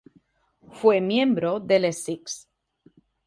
Fue miembro de Les Six.